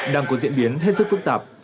đang có diễn biến hết sức phức tạp